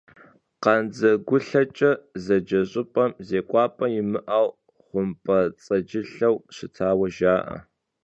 «КъандзэгулъэкӀэ» зэджэ щӀыпӀэм зекӀуапӀэ имыӀэу хъумпӀэцӀэджылъэу щытауэ жаӀэ.